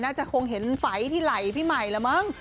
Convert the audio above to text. น่าจะคงเห็นไฝที่ไหล่พี่ใหม่แล้วมั้ง